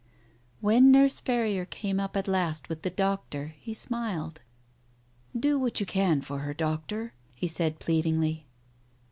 ... When Nurse Ferrier came up at last with the doctor, he smiled. " Do what you can for her, Doctor," he said pleadingly.